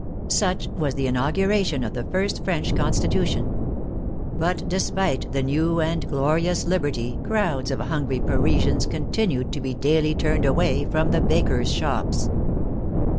Such was the inauguration of the first French Con stitution! But despite the new and glorious liberty crowds of hungry Parisians continued to be daily turned away from the bakers' shops.